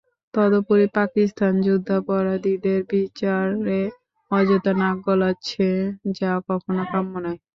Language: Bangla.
তদুপরি পাকিস্তান যুদ্ধাপরাধীদের বিচারে অযথা নাক গলাচ্ছে, যা কখনো কাম্য নয়।